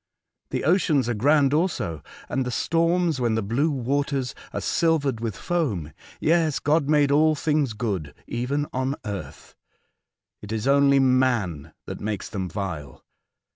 The * Ceylon. 86 A Voyage to Other Worlds, oceans are grand also, and the storms, when the blue waters are silvered with foam. Yes, God made all things good — even on earth. It is only man that makes them vile.